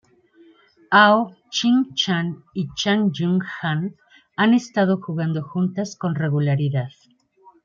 Hao-Ching Chan y Chan Yung-jan han estado jugando juntas con regularidad.